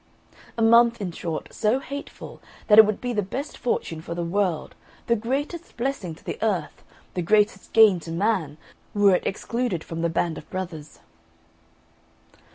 A month in short so hateful, that it would be the best fortune for the world, the greatest blessing to the earth, the greatest gain to men, were it excluded from the band of brothers."